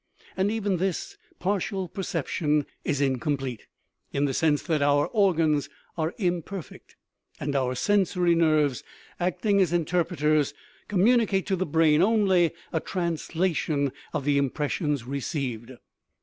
And even this partial perception is in complete, in the sense that our organs are imperfect, and our sensory nerves, acting as interpreters, com municate to the brain only a translation of the impres sions received.